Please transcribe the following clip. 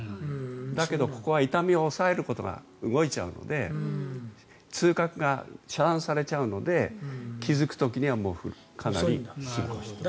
だけどここは痛みを抑えることが動いちゃうので痛覚が遮断されちゃうので気付く時にはもうかなり進行している。